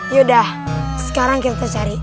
yaudah sekarang kita cari